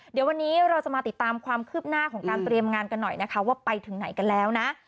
เดี๋ยววันนี้เราจะมาติดตามความคืบหน้าของการเตรียมงานกันหน่อยนะคะว่าไปถึงไหนกันแล้วนะ